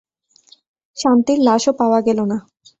শান্তির লাশও পাওয়া গেল না।